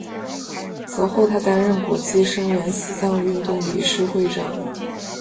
此后他担任国际声援西藏运动理事会长。